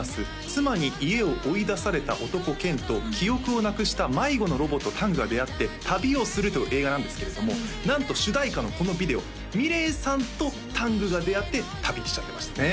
妻に家を追い出された男健と記憶をなくした迷子のロボットタングが出会って旅をするという映画なんですけれどもなんと主題歌のこのビデオｍｉｌｅｔさんとタングが出会って旅しちゃってましたね